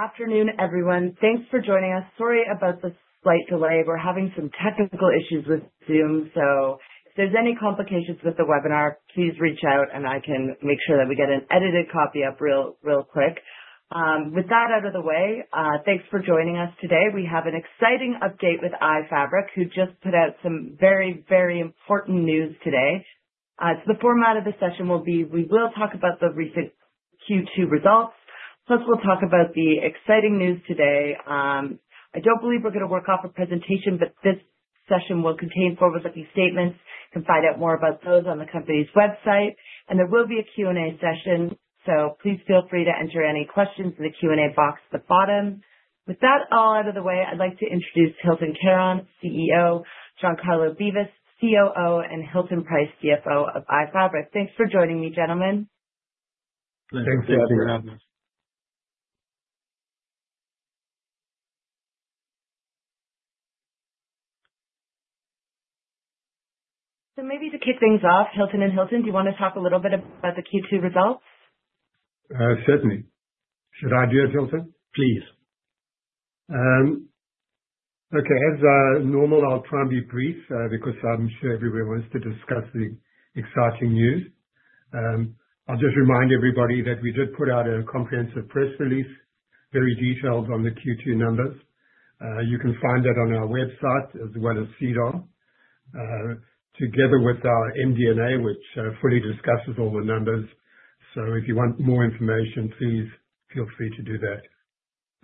Afternoon, everyone. Thanks for joining us. Sorry about the slight delay. We're having some technical issues with Zoom, so if there's any complications with the webinar, please reach out and I can make sure that we get an edited copy up real, real quick. With that out of the way, thanks for joining us today. We have an exciting update with iFabric, who just put out some very, very important news today. The format of the session will be we will talk about the recent Q2 results, plus we'll talk about the exciting news today. I don't believe we're going to work off a presentation, but this session will contain forward-looking statements. You can find out more about those on the company's website. There will be a Q&A session, so please feel free to enter any questions in the Q&A box at the bottom. With that all out of the way, I'd like to introduce Hylton Karon, CEO, Giancarlo Beevis, COO, and Hilton Price, CFO of iFabric. Thanks for joining me, gentlemen. Thanks for having us. Maybe to kick things off, Hylton and Hilton, do you want to talk a little bit about the Q2 results? Certainly. Should I do it, Hylton? Please. Okay. As normal, I'll try and be brief because I'm sure everyone wants to discuss the exciting news. I'll just remind everybody that we did put out a comprehensive press release, very detailed on the Q2 numbers. You can find that on our website as well as SEDAR, together with our MD&A, which fully discusses all the numbers. If you want more information, please feel free to do that.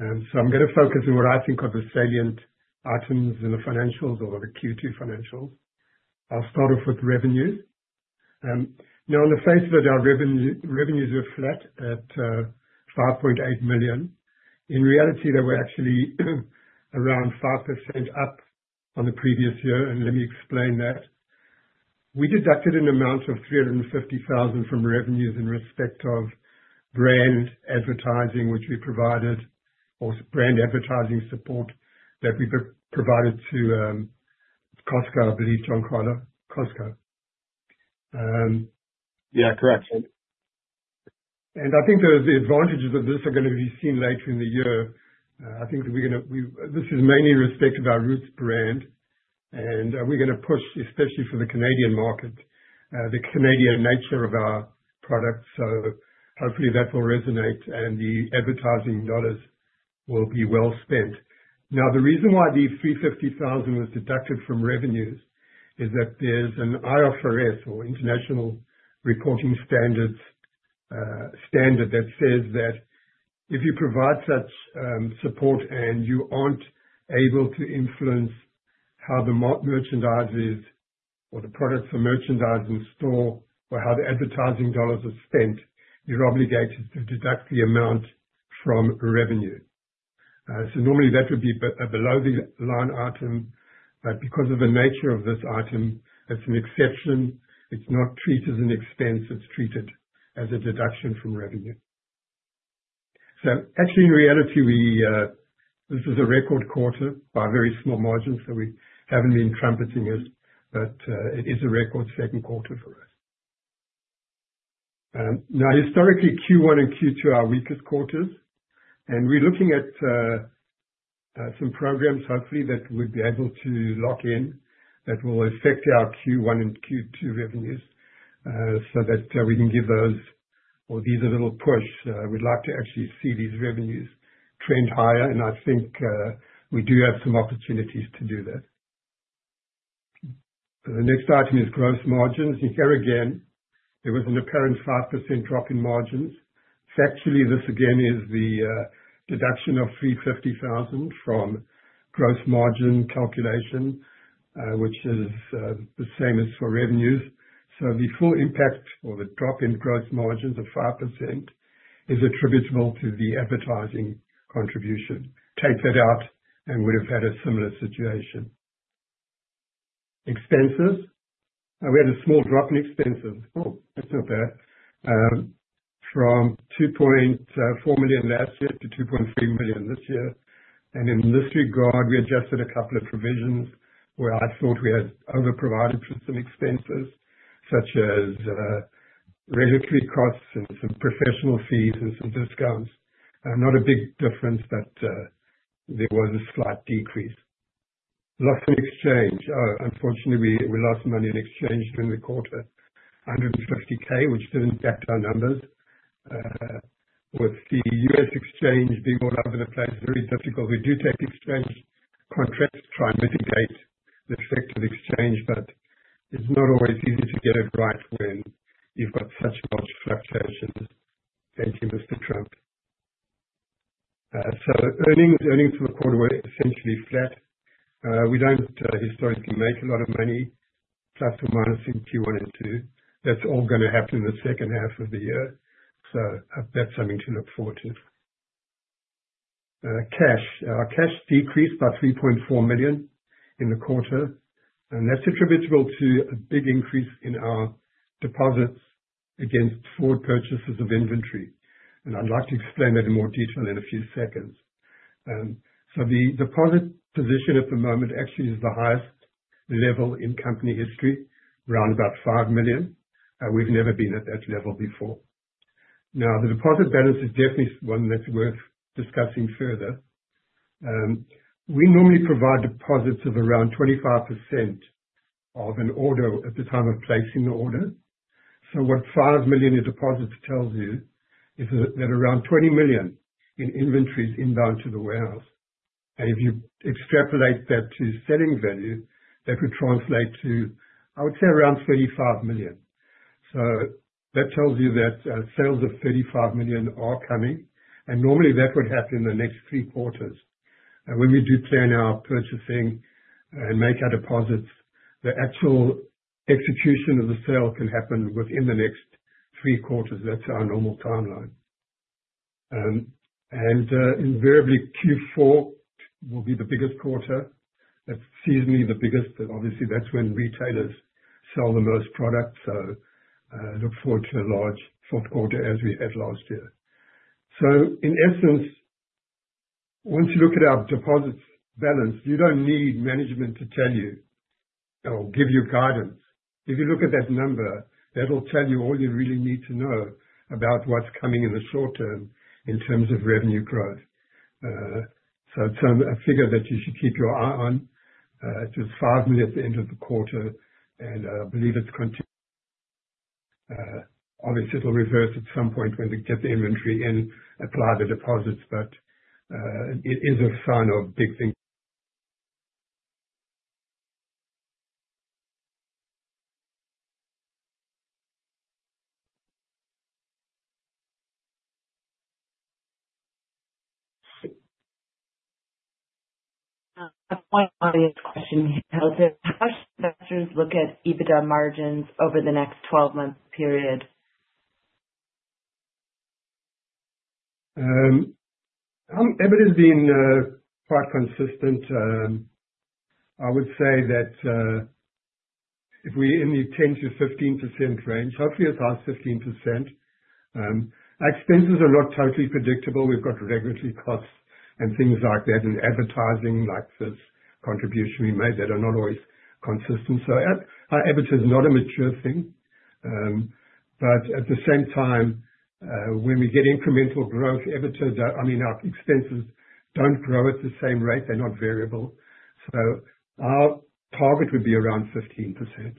I'm going to focus on what I think are the salient items in the financials or the Q2 financials. I'll start off with revenues. Now, on the face of it, our revenues are flat at $5.8 million. In reality, they were actually around 5% up on the previous year. Let me explain that. We deducted an amount of $350,000 from revenues in respect of brand advertising, which we provided, or brand advertising support that we provided to Costco, I believe, Giancarlo. Costco. Yeah, correct. I think the advantages of this are going to be seen later in the year. I think we're going to, this is mainly in respect of our Roots brand, and we're going to push, especially for the Canadian market, the Canadian nature of our products. Hopefully, that will resonate and the advertising dollars will be well spent. The reason why the $350,000 was deducted from revenues is that there's an IFRS or International Reporting Standards standard that says that if you provide such support and you aren't able to influence how the merchandise is or the products or merchandise in the store or how the advertising dollars are spent, you're obligated to deduct the amount from revenue. Normally, that would be a below-the-line item. Because of the nature of this item, it's an exception. It's not treated as an expense. It's treated as a deduction from revenue. Actually, in reality, this is a record quarter by very small margins, so we haven't been trumpeting it, but it is a record second quarter for us. Historically, Q1 and Q2 are our weakest quarters, and we're looking at some programs, hopefully, that we'd be able to lock in that will affect our Q1 and Q2 revenues so that we can give these a little push. We'd like to actually see these revenues trend higher, and I think we do have some opportunities to do that. The next item is gross margins. Here again, there was an apparent 5% drop in margins. Factually, this again is the deduction of $350,000 from gross margin calculation, which is the same as for revenues. The full impact or the drop in gross margins of 5% is attributable to the advertising contribution. Take that out and would have had a similar situation. Expenses, we had a small drop in expenses. That's not bad. From $2.4 million last year to $2.3 million this year. In this regard, we adjusted a couple of provisions where I thought we had overprovided for some expenses, such as regulatory costs and some professional fees and some discounts. Not a big difference, but there was a slight decrease. Lost in exchange. Unfortunately, we lost money in exchange during the quarter, $150,000, which didn't tap down numbers. With the U.S. exchange being all over the place, very difficult. We do take exchange contracts to try and mitigate the effect of exchange, but it's not always easy to get it right when you've got such large fluctuations as in Mr. Trump. Earnings for the quarter were essentially flat. We don't historically make a lot of money, plus or minus, in Q1 and Q2. That's all going to happen in the second half of the year. That's something to look forward to. Our cash decreased by $3.4 million in the quarter, and that's attributable to a big increase in our deposits against forward purchases of inventory. I'd like to explain that in more detail in a few seconds. The deposit position at the moment actually is the highest level in company history, around about $5 million. We've never been at that level before. The deposit balance is definitely one that's worth discussing further. We normally provide deposits of around 25% of an order at the time of placing the order. What $5 million in deposits tells you is that around $20 million in inventory is inbound to the warehouse. If you extrapolate that to selling value, that would translate to, I would say, around $35 million. That tells you that sales of $35 million are coming. Normally, that would happen in the next three quarters. When we do plan our purchasing and make our deposits, the actual execution of the sale can happen within the next three quarters. That's our normal timeline. Invariably, Q4 will be the biggest quarter. It's seasonally the biggest, and that's when retailers sell the most products. I look forward to a large fourth quarter as we had last year. In essence, once you look at our deposits balance, you don't need management to tell you or give you guidance. If you look at that number, that'll tell you all you really need to know about what's coming in the short-term in terms of revenue growth. It's a figure that you should keep your eye on. It was $5 million at the end of the quarter, and I believe it's going to, obviously, it'll reverse at some point when we get the inventory and apply the deposits, but it is a sign of big things. A quite obvious question here. [inaudible] How should investors look at EBITDA margins over the next 12-month period? EBITDA has been quite consistent. I would say that if we're in the 10%-15% range, hopefully, it's around 15%. Our expenses are not totally predictable. We've got regulatory costs and things like that and advertising like this contribution we made that are not always consistent. Our EBITDA is not a mature thing. At the same time, when we get incremental growth, EBITDA, I mean, our expenses don't grow at the same rate. They're not variable. Our target would be around 15%.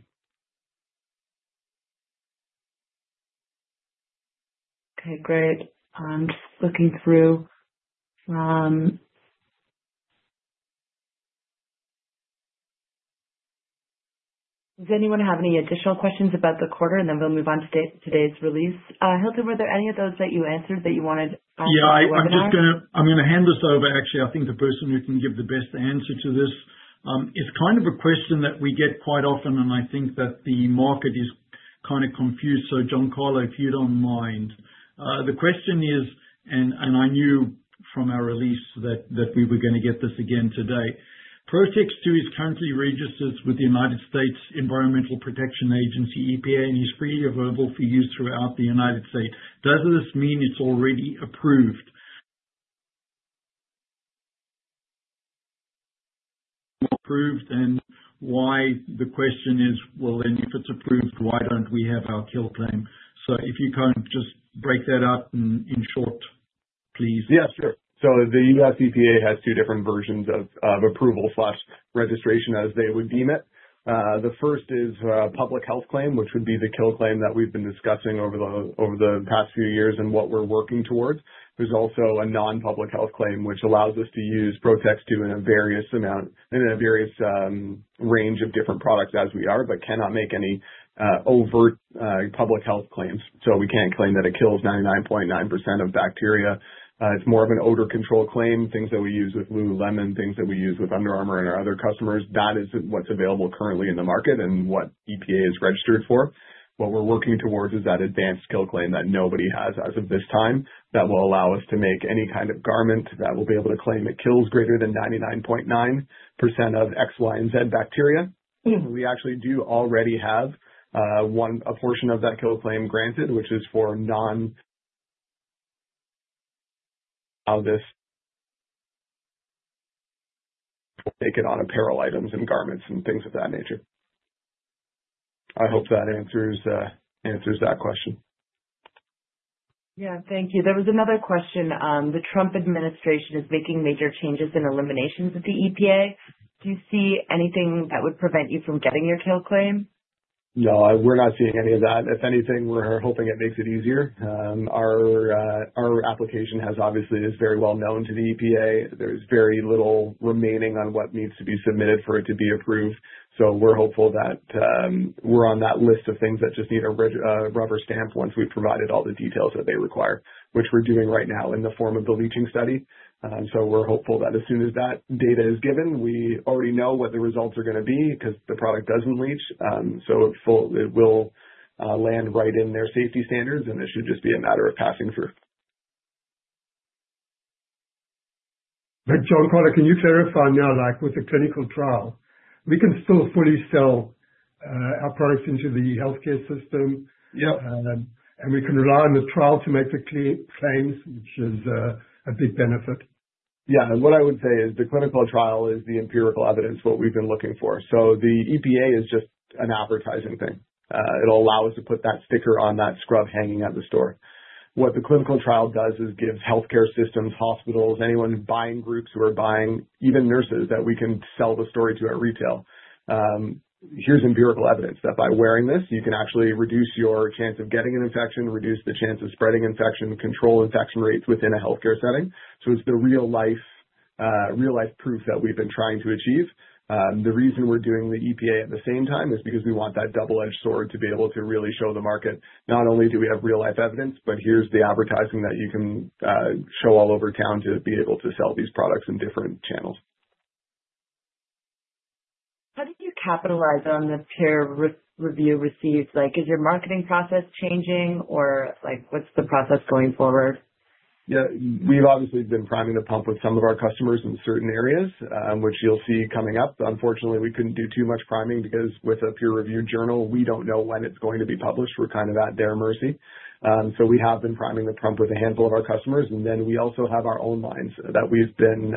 Okay. Great. I'm just looking through. Does anyone have any additional questions about the quarter? We'll move on to today's release. Hylton, were there any of those that you answered that you wanted? Yeah. I'm just going to hand this over, actually. I think the person who can give the best answer to this is kind of a question that we get quite often, and I think that the market is kind of confused. Giancarlo, if you don't mind. The question is, and I knew from our release that we were going to get this again today. PROTX2 is currently registered with the United States Environmental Protection Agency, EPA, and is free of verbal for use throughout the United States. Does this mean it's already approved? Approved. The question is, if it's approved, why don't we have our kill claim? If you can just break that up in short, please. Yeah, sure. The U.S. EPA has two different versions of approval/registration, as they would deem it. The first is a public health claim, which would be the kill claim that we've been discussing over the past few years and what we're working towards. There's also a non-public health claim, which allows us to use PROTX2 in a various amount and in a various range of different products as we are, but cannot make any overt public health claims. We can't claim that it kills 99.9% of bacteria. It's more of an odor control claim, things that we use with lululemon, things that we use with Under Armour and our other customers. That is what's available currently in the market and what EPA is registered for. What we're working towards is that advanced kill claim that nobody has as of this time that will allow us to make any kind of garment that will be able to claim it kills greater than 99.9% of X, Y, and Z bacteria. We actually do already have a portion of that kill claim granted, which is for non-this. We'll take it on apparel items and garments and things of that nature. I hope that answers that question. Thank you. There was another question. The Trump administration is making major changes in eliminations at the EPA. Do you see anything that would prevent you from getting your kill claim? No, we're not seeing any of that. If anything, we're hoping it makes it easier. Our application is very well-known to the EPA. There's very little remaining on what needs to be submitted for it to be approved. We're hopeful that we're on that list of things that just need a rubber stamp once we've provided all the details that they require, which we're doing right now in the form of the leaching study. We're hopeful that as soon as that data is given, we already know what the results are going to be because the product doesn't leach. It will land right in their safety standards, and it should just be a matter of passing through. Giancarlo, can you clarify now, like with the clinical trial, we can still fully sell our products into the healthcare system? Yeah. We can rely on the trial to make the claims, which is a big benefit. Yeah. What I would say is the clinical trial is the empirical evidence, what we've been looking for. The EPA is just an advertising thing. It'll allow us to put that sticker on that scrub hanging at the store. What the clinical trial does is give healthcare systems, hospitals, anyone, buying groups who are buying, even nurses, that we can sell the story to at retail. Here's empirical evidence that by wearing this, you can actually reduce your chance of getting an infection, reduce the chance of spreading infection, control infection rates within a healthcare setting. It is the real-life proof that we've been trying to achieve. The reason we're doing the EPA at the same time is because we want that double-edged sword to be able to really show the market. Not only do we have real-life evidence, but here's the advertising that you can show all over town to be able to sell these products in different channels. How did you capitalize on the peer review received? Is your marketing process changing, or what's the process going forward? Yeah. We've obviously been priming the pump with some of our customers in certain areas, which you'll see coming up. Unfortunately, we couldn't do too much priming because with a peer-reviewed journal, we don't know when it's going to be published. We're kind of at their mercy. We have been priming the pump with a handful of our customers. We also have our own lines that we've been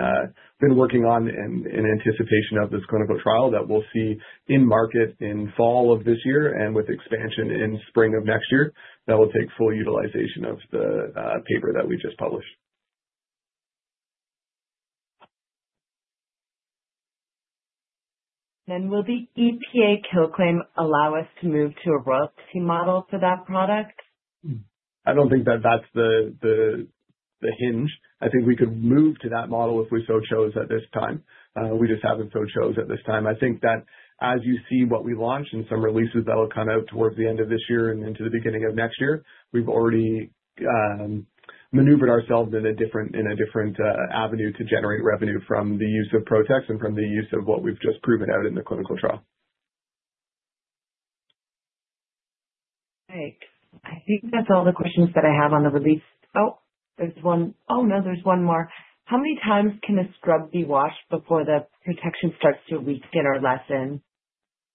working on in anticipation of this clinical trial that we'll see in market in fall of this year, with expansion in spring of next year that will take full utilization of the paper that we just published. Will the EPA kill claim allow us to move to a royalty model for that product? I don't think that that's the hinge. I think we could move to that model if we so chose at this time. We just haven't so chose at this time. I think that as you see what we launch and some releases that'll come out towards the end of this year and into the beginning of next year, we've already maneuvered ourselves in a different avenue to generate revenue from the use of PROTX and from the use of what we've just proven out in the clinical trial. Great. I think that's all the questions that I have on the release. Oh, there's one. Oh, no, there's one more. How many times can a scrub be washed before the protection starts to weaken or lessen?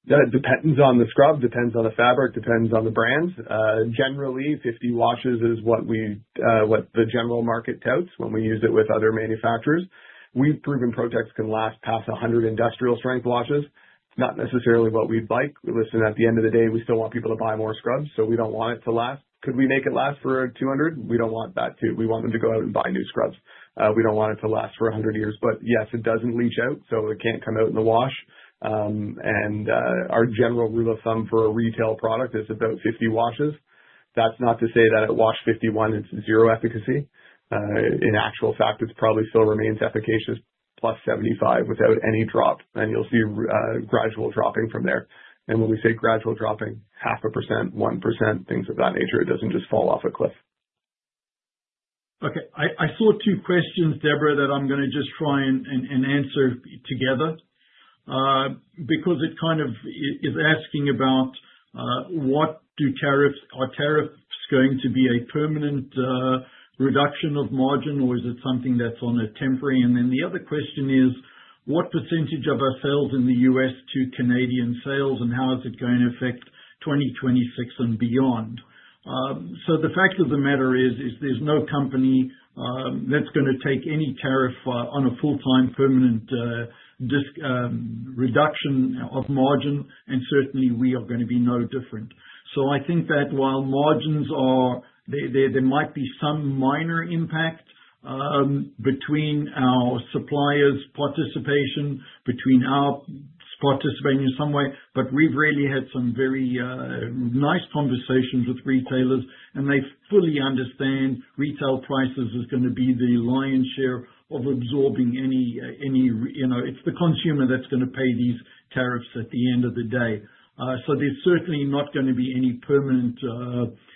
Yeah, it depends on the scrub, depends on the fabric, depends on the brand. Generally, 50 washes is what the general market touts when we use it with other manufacturers. We've proven PROTX can last past 100 industrial-strength washes, not necessarily what we'd like. At the end of the day, we still want people to buy more scrubs, so we don't want it to last. Could we make it last for 200? We don't want that too. We want them to go out and buy new scrubs. We don't want it to last for 100 years. Yes, it doesn't leach out, so it can't come out in the wash. Our general rule of thumb for a retail product is about 50 washes. That's not to say that at wash 51, it's zero efficacy. In actual fact, it probably still remains efficacious +75 without any drop. You'll see gradual dropping from there. When we say gradual dropping, 0.5%, 1%, things of that nature. It doesn't just fall off a cliff. Okay. I saw two questions, Deborah, that I'm going to just try and answer together because it kind of is asking about what do tariffs, are tariffs going to be a permanent reduction of margin, or is it something that's on a temporary? The other question is, what percentage of our sales in the U.S. to Canadian sales, and how is it going to affect 2026 and beyond? The fact of the matter is, there's no company that's going to take any tariff on a full-time permanent reduction of margin, and certainly, we are going to be no different. I think that while margins are, there might be some minor impact between our suppliers' participation, between our participating in some way, but we've really had some very nice conversations with retailers, and they fully understand retail prices are going to be the lion's share of absorbing any, you know, it's the consumer that's going to pay these tariffs at the end of the day. There's certainly not going to be any permanent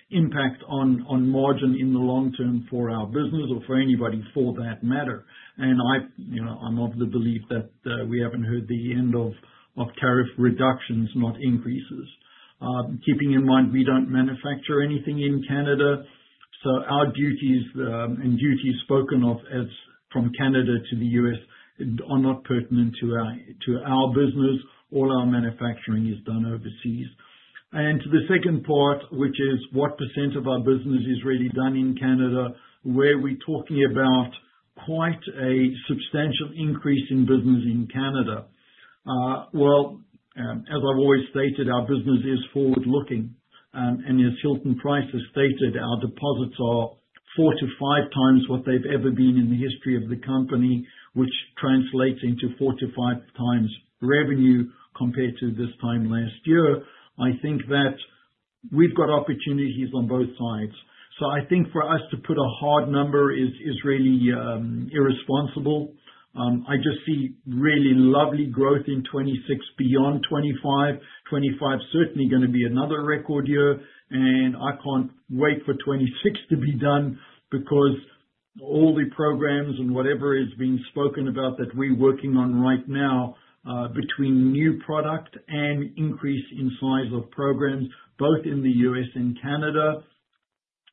impact on margin in the long-term for our business or for anybody for that matter. I, you know, I'm of the belief that we haven't heard the end of tariff reductions, not increases. Keeping in mind, we don't manufacture anything in Canada. Our duties and duties spoken of as from Canada to the U.S. are not pertinent to our business. All our manufacturing is done overseas. To the second part, which is what percent of our business is really done in Canada, we're talking about quite a substantial increase in business in Canada. As I've always stated, our business is forward-looking. As Hilton Price has stated, our deposits are 4x-5x what they've ever been in the history of the company, which translates into 4x-5x revenue compared to this time last year. I think that we've got opportunities on both sides. For us to put a hard number is really irresponsible. I just see really lovely growth in 2026 beyond 2025. 2025 is certainly going to be another record year. I can't wait for 2026 to be done because all the programs and whatever is being spoken about that we're working on right now, between new product and increase in size of programs, both in the U.S. and Canada,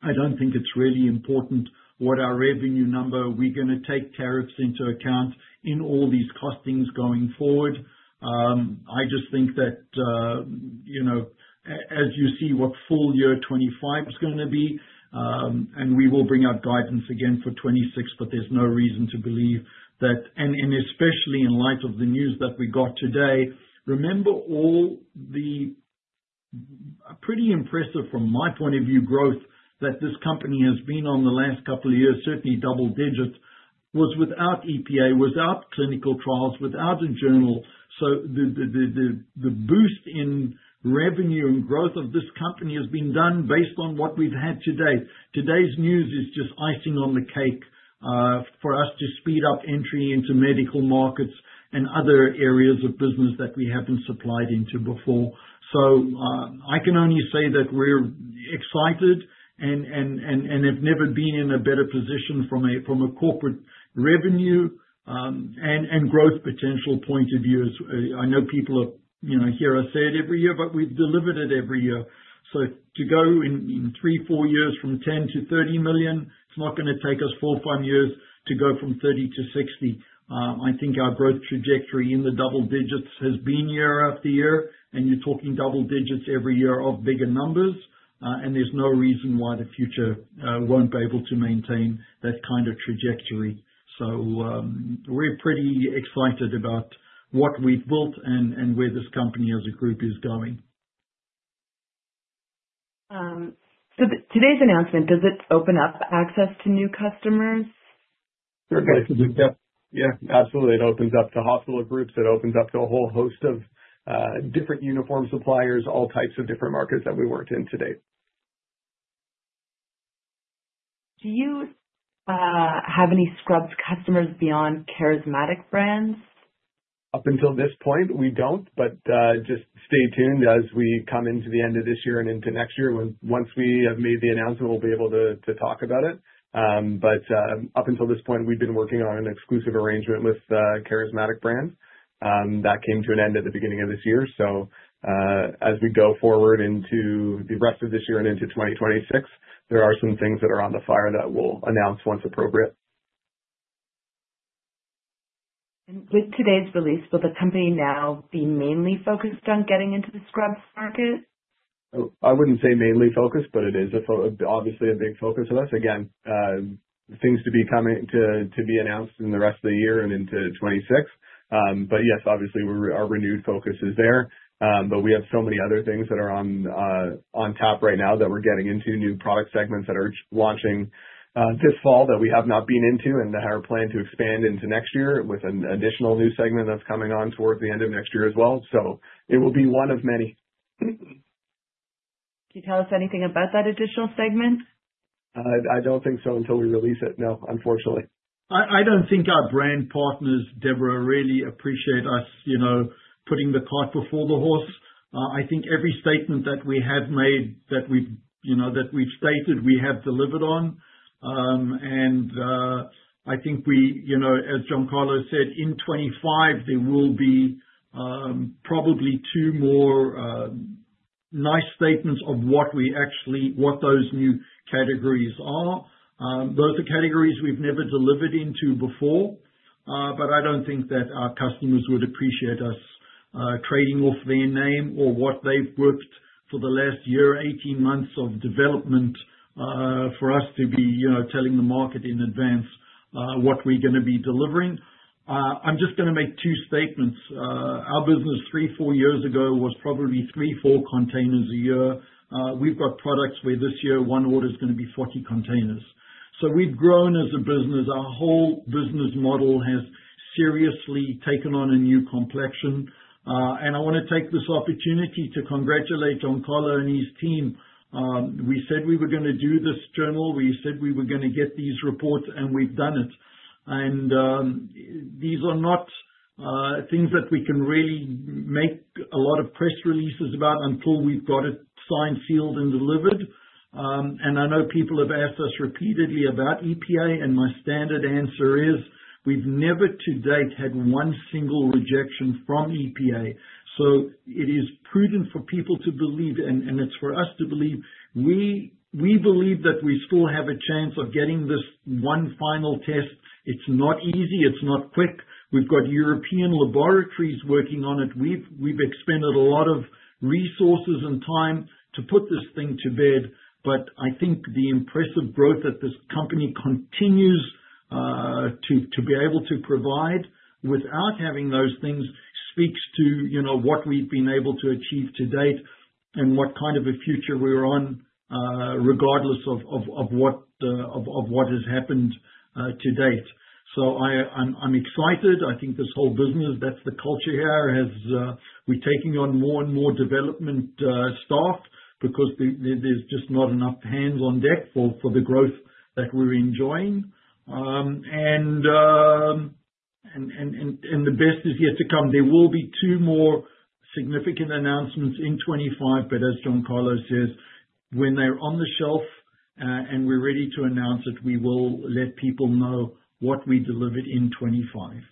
I don't think it's really important what our revenue number, we're going to take tariffs into account in all these costings going forward. I just think that, you know, as you see what full year 2025 is going to be, and we will bring out guidance again for 2026, there's no reason to believe that. Especially in light of the news that we got today, remember all the pretty impressive, from my point of view, growth that this company has been on the last couple of years, certainly double-digit, was without EPA, without clinical trials, without a journal. The boost in revenue and growth of this company has been done based on what we've had today. Today's news is just icing on the cake for us to speed up entry into medical markets and other areas of business that we haven't supplied into before. I can only say that we're excited and have never been in a better position from a corporate revenue and growth potential point of view. I know people hear us say it every year, but we've delivered it every year. To go in three, four years from $10 million to $30 million, it's not going to take us four or five years to go from $30 million to $60 million. I think our growth trajectory in the double digits has been year after year, and you're talking double digits every year of bigger numbers. There's no reason why the future won't be able to maintain that kind of trajectory. We're pretty excited about what we've built and where this company as a group is going. Does today's announcement open up access to new customers? Yeah. Absolutely. It opens up to hospital groups. It opens up to a whole host of different uniform suppliers, all types of different markets that we worked in today. Do you have any scrubs customers beyond [Careismatic Brands]? Up until this point, we don't, but just stay tuned as we come into the end of this year and into next year. Once we have made the announcement, we'll be able to talk about it. Up until this point, we've been working on an exclusive arrangement with [Careismatic Brands]. That came to an end at the beginning of this year. As we go forward into the rest of this year and into 2026, there are some things that are on the fire that we'll announce once appropriate. With today's release, will the company now be mainly focused on getting into the scrubs market? I wouldn't say mainly focused, but it is obviously a big focus for us. Again, things to be announced in the rest of the year and into 2026. Yes, obviously, our renewed focus is there. We have so many other things that are on tap right now that we're getting into, new product segments that are launching this fall that we have not been into and that are planned to expand into next year with an additional new segment that's coming on toward the end of next year as well. It will be one of many. Can you tell us anything about that additional segment? I don't think so until we release it. No, unfortunately. I don't think our brand partners, Deborah, really appreciate us putting the cart before the horse. I think every statement that we have made that we've stated we have delivered on. I think we, as Giancarlo said, in 2025, there will be probably two more nice statements of what we actually, what those new categories are. Those are categories we've never delivered into before. I don't think that our customers would appreciate us trading off their name or what they've worked for the last year, 18 months of development for us to be telling the market in advance what we're going to be delivering. I'm just going to make two statements. Our business three, four years ago was probably three, four containers a year. We've got products where this year, one order is going to be 40 containers. We've grown as a business. Our whole business model has seriously taken on a new complexion. I want to take this opportunity to congratulate Giancarlo and his team. We said we were going to do this journal. We said we were going to get these reports, and we've done it. These are not things that we can really make a lot of press releases about until we've got it signed, sealed, and delivered. I know people have asked us repeatedly about EPA, and my standard answer is we've never to date had one single rejection from EPA. It is prudent for people to believe, and it's for us to believe. We believe that we still have a chance of getting this one final test. It's not easy. It's not quick. We've got European laboratories working on it. We've expended a lot of resources and time to put this thing to bed. I think the impressive growth that this company continues to be able to provide without having those things speaks to what we've been able to achieve to date and what kind of a future we're on, regardless of what has happened to date. I'm excited. I think this whole business, that's the culture here, we're taking on more and more development staff because there's just not enough hands on deck for the growth that we're enjoying. The best is yet to come. There will be two more significant announcements in 2025, but as Giancarlo says, when they're on the shelf and we're ready to announce it, we will let people know what we delivered in 2025.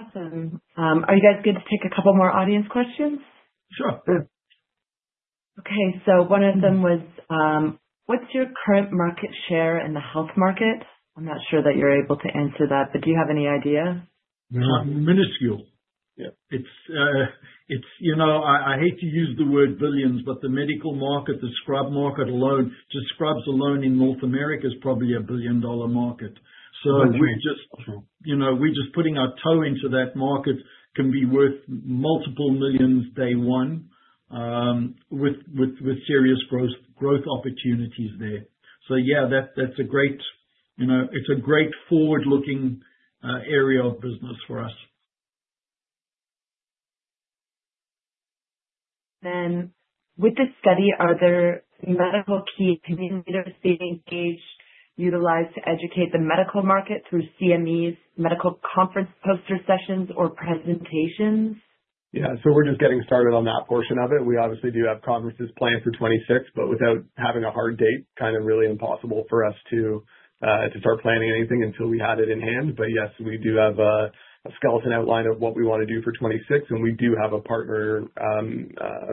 Awesome. Are you guys good to take a couple more audience questions? Sure. One of them was, what's your current market share in the health market? I'm not sure that you're able to answer that, but do you have any idea? Minuscule. Yeah. You know, I hate to use the word billions, but the medical market, the scrubs market alone, the scrubs alone in North America is probably a billion-dollar market. We're just putting our toe into that market, which can be worth multiple millions day one with serious growth opportunities there. Yeah, that's a great forward-looking area of business for us. With this study, are there medical key community leaders being utilized to educate the medical market through CMEs, medical conference poster sessions, or presentations? Yeah, we're just getting started on that portion of it. We obviously do have conferences planned for 2026, but without having a hard date, it's kind of really impossible for us to start planning anything until we had it in hand. Yes, we do have a skeleton outline of what we want to do for 2026, and we do have a partner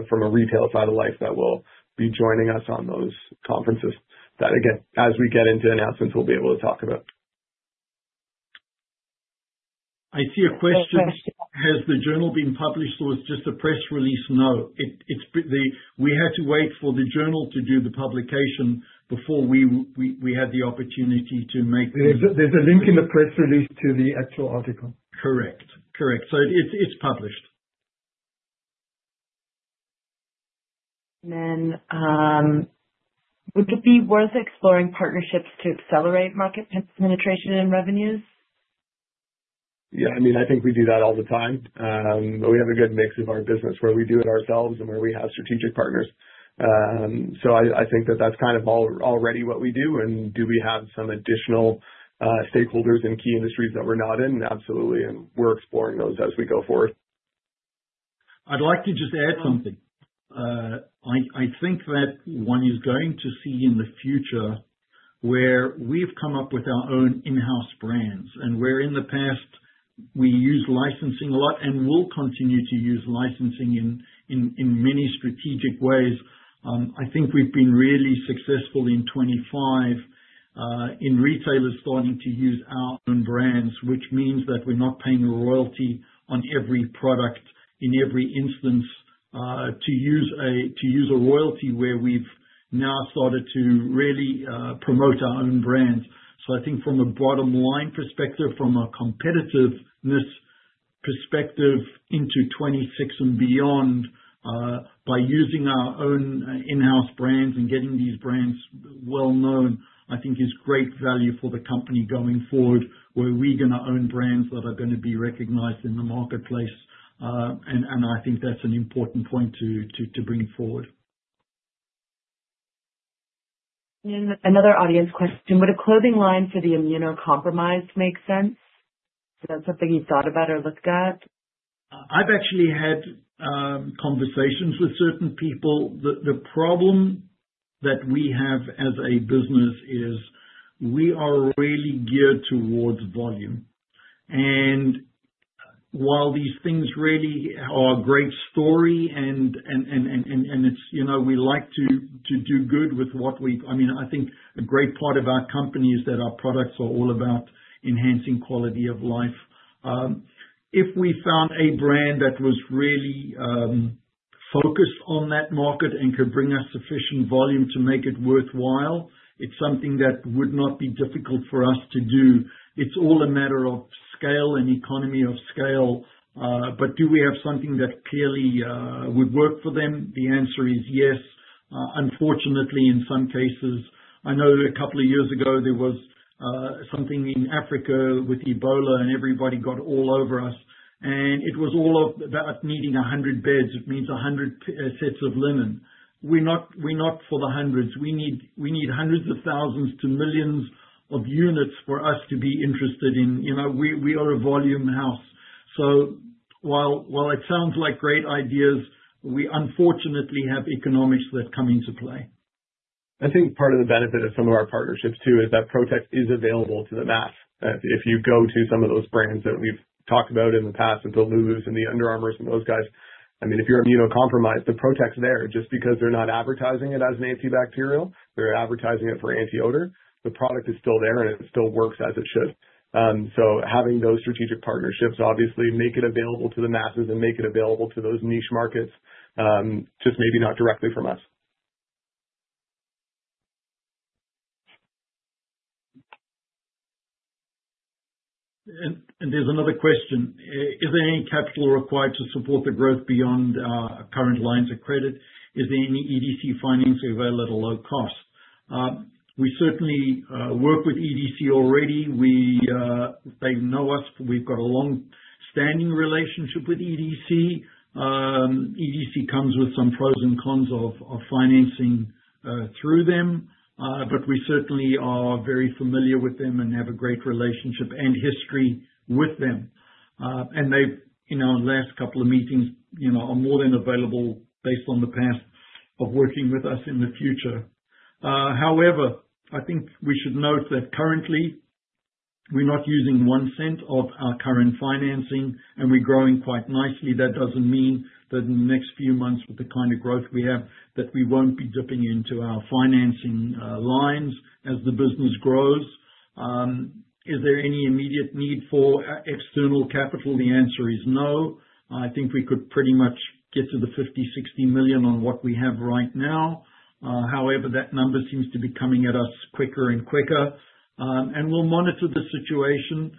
from a retail side of life that will be joining us on those conferences. Again, as we get into announcements, we'll be able to talk about it. I see a question. Has the journal been published or it's just a press release? No, we had to wait for the journal to do the publication before we had the opportunity to make the. There's a link in the press release to the actual article. Correct. Correct. It's published. Would it be worth exploring partnerships to accelerate market penetration and revenues? Yeah. I mean, I think we do that all the time. We have a good mix of our business where we do it ourselves and where we have strategic partners. I think that that's kind of already what we do. Do we have some additional stakeholders in key industries that we're not in? Absolutely. We're exploring those as we go forward. I'd like to just add something. I think that one is going to see in the future where we've come up with our own in-house brands. Where in the past, we use licensing a lot and will continue to use licensing in many strategic ways, I think we've been really successful in 2025 in retailers starting to use our own brands, which means that we're not paying a royalty on every product in every instance to use a royalty where we've now started to really promote our own brand. I think from a bottom-line perspective, from a competitiveness perspective into 2026 and beyond, by using our own in-house brands and getting these brands well-known, I think is great value for the company going forward where we're going to own brands that are going to be recognized in the marketplace. I think that's an important point to bring forward. Another audience question. Would a clothing line for the immunocompromised make sense? Is that something you've thought about or looked at? I've actually had conversations with certain people. The problem that we have as a business is we are really geared towards volume. While these things really are a great story and it's, you know, we like to do good with what we, I mean, I think a great part of our company is that our products are all about enhancing quality of life. If we found a brand that was really focused on that market and could bring us sufficient volume to make it worthwhile, it's something that would not be difficult for us to do. It's all a matter of scale and economy of scale. Do we have something that clearly would work for them? The answer is yes. Unfortunately, in some cases, I know a couple of years ago, there was something in Africa with Ebola and everybody got all over us. It was all about needing 100 beds. It means 100 sets of linen. We're not for the hundreds. We need hundreds of thousands to millions of units for us to be interested in. You know, we are a volume house. While it sounds like great ideas, we unfortunately have economics that come into play. I think part of the benefit of some of our partnerships, too, is that PROTX is available to the mass. If you go to some of those brands that we've talked about in the past, the lulus and the Under Armours and those guys, I mean, if you're immunocompromised, the PROTX's there. Just because they're not advertising it as an antibacterial, they're advertising it for anti-odor. The product is still there and it still works as it should. Having those strategic partnerships obviously makes it available to the masses and makes it available to those niche markets, just maybe not directly from us. There is another question. Is there any cash flow required to support the growth beyond current lines of credit? Is there any EDC financing available at a low cost? We certainly work with EDC already. They know us. We have a long-standing relationship with EDC. EDC comes with some pros and cons of financing through them, but we certainly are very familiar with them and have a great relationship and history with them. In our last couple of meetings, they are more than available based on the past of working with us in the future. However, I think we should note that currently, we are not using $0.01 of our current financing and we are growing quite nicely. That does not mean that in the next few months, with the kind of growth we have, we will not be dipping into our financing lines as the business grows. Is there any immediate need for external capital? The answer is no. I think we could pretty much get to the $50 million, $60 million on what we have right now. However, that number seems to be coming at us quicker and quicker. We will monitor the situation.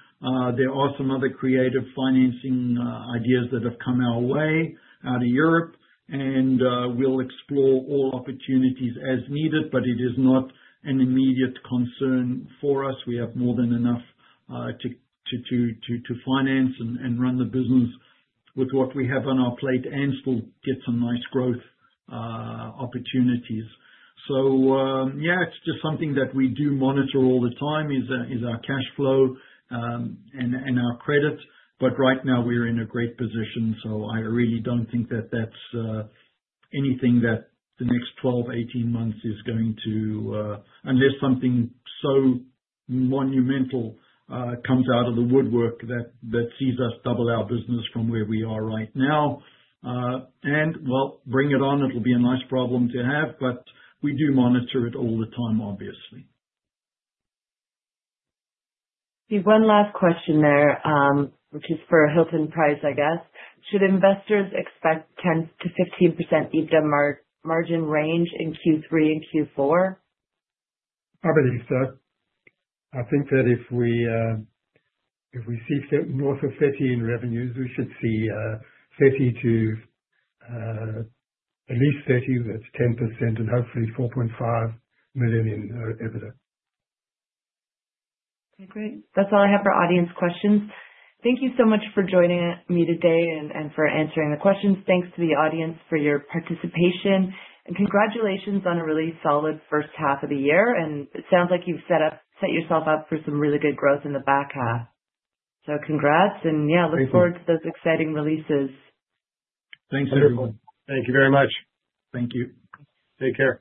There are some other creative financing ideas that have come our way out of Europe. We will explore all opportunities as needed, but it is not an immediate concern for us. We have more than enough to finance and run the business with what we have on our plate and still get some nice growth opportunities. It is just something that we do monitor all the time, our cash flow and our credits. Right now, we are in a great position. I really do not think that is anything that the next 12, 18 months is going to, unless something so monumental comes out of the woodwork that sees us double our business from where we are right now. Bring it on. It will be a nice problem to have, but we do monitor it all the time, obviously. One last question there, which is for Hilton Price, I guess. Should investors expect 10%-15% EBITDA margin range in Q3 and Q4? I believe so. I think that if we see north of $30 million in revenues, we should see 30% to at least 30%. That's 10% and hopefully $4.5 million in EBITDA. Okay. Great. That's all I have for audience questions. Thank you so much for joining me today and for answering the questions. Thanks to the audience for your participation. Congratulations on a really solid first half of the year. It sounds like you've set yourself up for some really good growth in the back half. Congrats. I look forward to those exciting releases. Thanks, everyone. Thank you very much. Thank you. Take care.